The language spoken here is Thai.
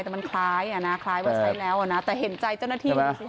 แต่มันคล้ายคล้ายว่าใช้แล้วแต่เห็นใจเจ้าหน้าที่